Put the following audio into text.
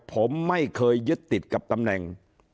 ผมไม่เคยยึดติดกับตำแหน่ง